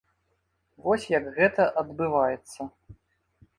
Вось як гэта адбываецца.